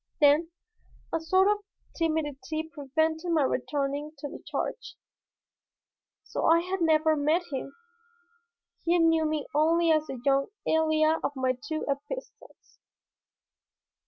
Then a sort of timidity prevented my returning to the charge. So I had never met him. He knew me only as the young Elia of my two epistles.